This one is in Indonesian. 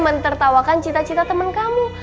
mentertawakan cita cita teman kamu